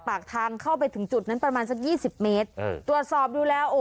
ปากทางเข้าไปถึงจุดนั้นประมาณสักยี่สิบเมตรเออตรวจสอบดูแล้วโอ้